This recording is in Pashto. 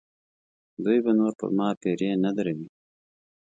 دوی به نور پر ما پیرې نه دروي.